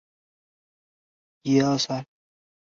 谢讷杜伊人口变化图示